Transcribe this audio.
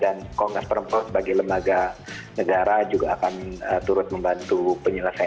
dan komnas perempuan sebagai lembaga negara juga akan turut membantu penyelesaian